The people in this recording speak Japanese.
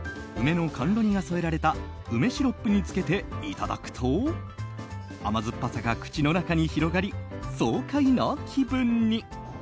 梅の甘露煮が添えられた梅シロップに付けていただくと甘酸っぱさが口の中に広がり爽快な気分に。